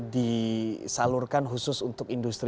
disalurkan khusus untuk